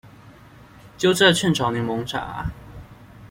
鳩佔雀巢檸檬茶